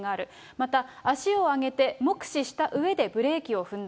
また、足を上げて目視したうえでブレーキを踏んだ。